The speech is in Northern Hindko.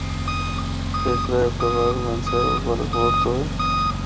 ہک راہ ایبٹ آباد، مانسہرہ ہور بالاکوٹ تو اے۔